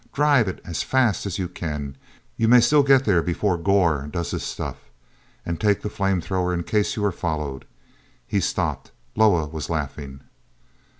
Drive it as fast as you can; you may still get there before Gor does his stuff. And take the flame thrower in case you are followed—" He stopped; Loah was laughing.